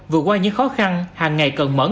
vượt qua những khó khăn hàng ngày cần mẫn